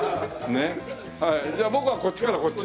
じゃあ僕はこっちからこっち？